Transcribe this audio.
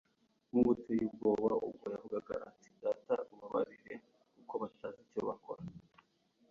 nk'uwo uteye ubwoba, ubwo yavugaga ati : «Data ubabarire kuko batazi icyo bakora.'»